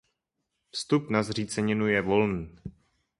Vstup na zříceninu je volný.